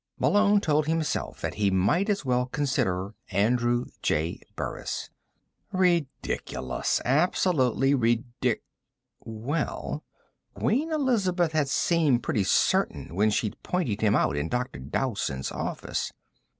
Malone told himself that he might as well consider Andrew J. Burris. Ridiculous. Absolutely ridic Well, Queen Elizabeth had seemed pretty certain when she'd pointed him out in Dr. Dowson's office.